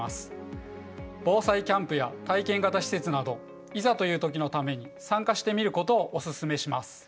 防災キャンプや体験型施設などいざという時のために参加してみることをお勧めします。